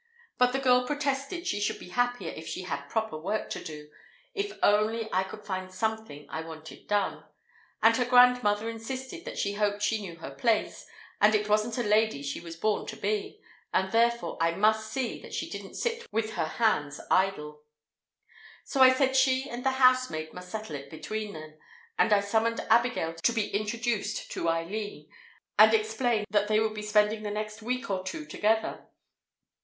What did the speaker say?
But the girl protested she should be happier if she had proper work to do, if only I could find something I wanted done; and her grandmother insisted that she hoped she knew her place, and it wasn't a lady she was born to be, and therefore I must see that she didn't sit with her hands idle. So I said she and the housemaid must settle it between them, and I summoned Abigail to be introduced to Eileen, and explained that they would be spending the next week or two together.